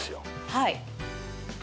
はい。